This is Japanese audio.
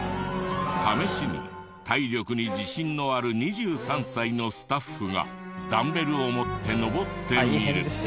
試しに体力に自信のある２３歳のスタッフがダンベルを持って上ってみる。